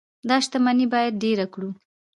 دا شتمني باید ډیره کړو.